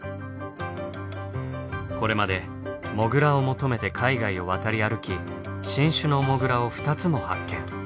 これまでモグラを求めて海外を渡り歩き新種のモグラを２つも発見。